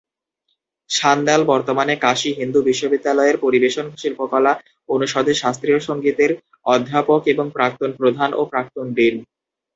সান্যাল বর্তমানে কাশী হিন্দু বিশ্ববিদ্যালয়ের পরিবেশন শিল্পকলা অনুষদে শাস্ত্রীয় সংগীতের অধ্যাপক এবং প্রাক্তন প্রধান ও প্রাক্তন ডিন।